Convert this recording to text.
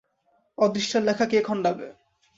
অদৃষ্টের লেখা কে খণ্ডাবে!